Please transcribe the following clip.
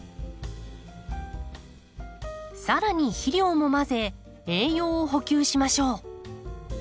さらに肥料も混ぜ栄養を補給しましょう。